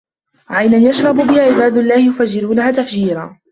عَينًا يَشرَبُ بِها عِبادُ اللَّهِ يُفَجِّرونَها تَفجيرًا